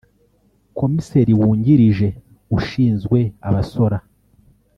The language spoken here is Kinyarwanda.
Komiseri wungirije ushinzwe abasora